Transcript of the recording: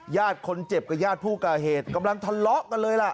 ญาติคนเจ็บกับญาติผู้ก่อเหตุกำลังทะเลาะกันเลยล่ะ